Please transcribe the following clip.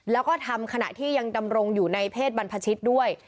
แล้วก็ทำขณะที่ยังดำรงอยู่ในเพศบรรพชิตด้วย